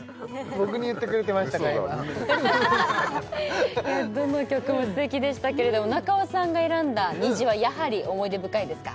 僕に言ってくれてましたか今嘘だどの曲も素敵でしたけれども中尾さんが選んだ「虹」はやはり思い出深いですか？